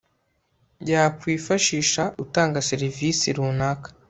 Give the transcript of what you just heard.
yakwifashisha utanga serivisi runaka